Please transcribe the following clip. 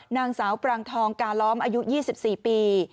นางสาวปรางทองกาล้อมอายุ๒๔ปี